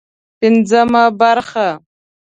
پنځمه برخه